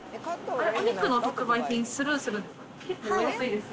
お肉の特売品、スルーするんですか？